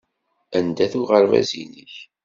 Anda-t uɣerbaz-nnek?